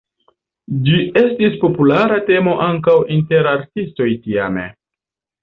Ĝi estis populara temo ankaŭ inter artistoj tiame.